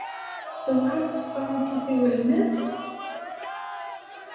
Tewɛeṛ tesperantot i welmad?